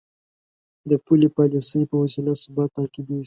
د پولي پالیسۍ په وسیله ثبات تعقیبېږي.